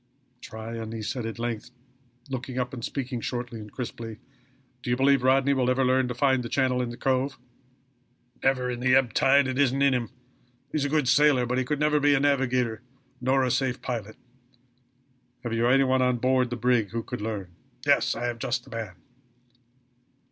"Tryon," said he at length, looking up and speaking shortly and crisply, "do you believe Rodney will ever learn to find the channel to the Cove?" "Never, in the ebb tide. It isn't in him. He is a good sailor, but he could never be a navigator, nor a safe pilot." "Have you any one on board the brig who could learn?" "Yes I have just the man."